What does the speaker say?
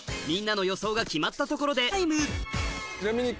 みんなの予想が決まったところでドキドキの発表